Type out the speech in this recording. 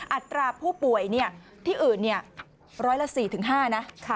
อัตราผู้ป่วยที่อื่นร้อยละ๔๕นะ